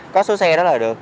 có số xe đó là được